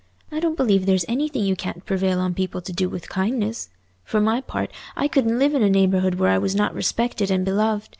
I don't believe there's anything you can't prevail on people to do with kindness. For my part, I couldn't live in a neighbourhood where I was not respected and beloved.